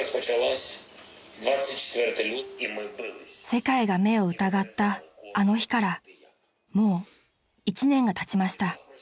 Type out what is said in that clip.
［世界が目を疑ったあの日からもう１年がたちました］